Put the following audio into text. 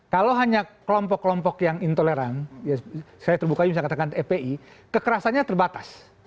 kalau hanya kelompok kelompok yang intoleran saya terbuka aja bisa katakan epi kekerasannya terbatas